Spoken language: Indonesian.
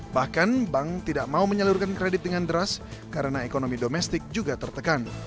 bahkan bank tidak mau menyalurkan kredit dengan deras karena ekonomi domestik juga tertekan